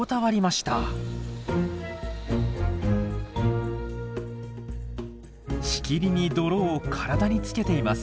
しきりに泥を体につけています。